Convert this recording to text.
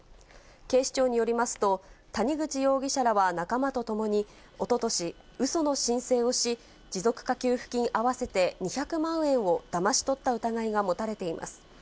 警視庁によりますと、谷口容疑者らは仲間とともにおととし、うその申請をし、持続化給付金合わせて２００万円をだまし取った疑いが持たれています。